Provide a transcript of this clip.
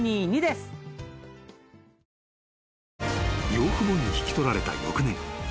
［養父母に引き取られた翌年］